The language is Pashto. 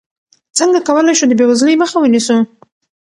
څنګه کولی شو د بېوزلۍ مخه ونیسو؟